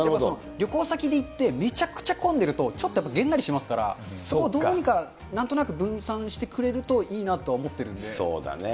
旅行先行って、めちゃくちゃ混んでるとちょっとげんなりしますから、そこをどうにかなんとなく分散してくれるといいなとは思ってるのそうだね。